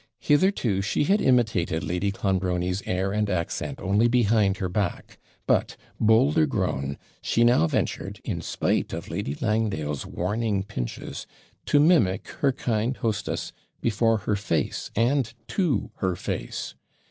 Hitherto she had imitated Lady Clonbrony's air and accent only behind her back; but, bolder grown, she now ventured, in spite of Lady Langdale's warning pinches, to mimic her kind hostess before her face, and to her face.